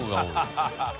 ハハハ